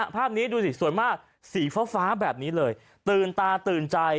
ภาพนี้ดูสิสวยมากสีฟ้าแบบนี้เลยตื่นตาตื่นใจ